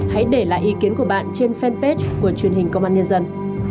hãy để lại ý kiến của bạn trên fanpage của truyền hình công an nhân dân